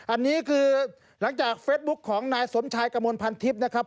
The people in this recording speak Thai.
อันนี้คือหลังจากเฟสบุ๊คของนายสมชายกระมวลพันทิพย์นะครับ